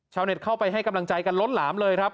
เน็ตเข้าไปให้กำลังใจกันล้นหลามเลยครับ